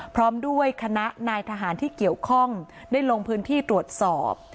พร้อมด้วยคณะนายทหารที่เกี่ยวข้องได้ลงพื้นที่ตรวจสอบ